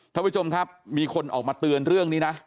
ท่านผู้ชมครับมีคนออกมาเตือนเรื่องนี้นะ